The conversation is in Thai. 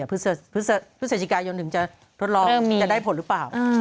พฤศจิกายนถึงจะทดลองจะได้ผลหรือเปล่า